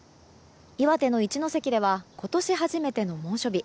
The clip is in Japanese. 岩手の一関では今年初めての猛暑日。